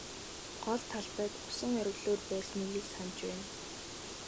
Гол талбайд усан оргилуур байсныг л санаж байна.